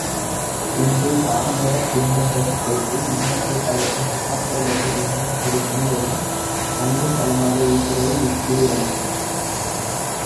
இன்று சார்ந்தவர் துன்பங்கள் துடைத்து இன்பங்கள் தழைக்கும் ஆற்றலோடு விளங்கும் ஒரு முனிவரும் தங்கும் தலமாக இருக்கிறது இத்திருவலம்.